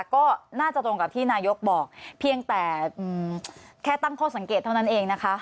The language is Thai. ก็น่าจะตรงกับที่นายกบอกเพียงแต่แค่ตั้งข้อสังเกตเท่านั้นเองนะคะ